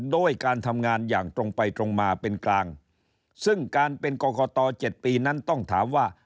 ด้วยการทำงานอย่างตรงไปตรงมาเป็นกลางซึ่งการเป็นกรกต๗ปีนั้นต้องถามว่า